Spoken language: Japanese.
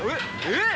えっ！？